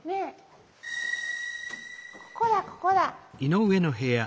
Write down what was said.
ここやここだ。